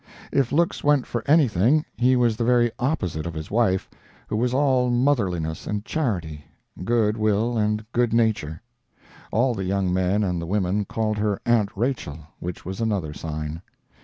If looks went for anything, he was the very opposite of his wife, who was all motherliness and charity, good will and good nature. All the young men and the women called her Aunt Rachael, which was another sign.